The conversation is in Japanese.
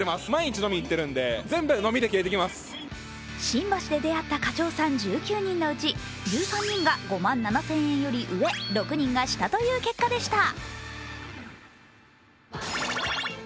新橋で出会った課長さん１９人のうち、１３人が５万７０００円より上、６人が下という結果でした。